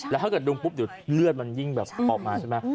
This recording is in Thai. แล้วถ้าเกิดดุมปุ๊บเดี๋ยวเลือดมันยิ่งแบบออกมาใช่ไหม